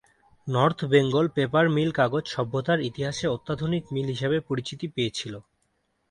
North Bengal paper mill কাগজ সভ্যতার ইতিহাসে অত্যাধুনিক মিল হিসাবে পরিচিতি পেয়েছিল।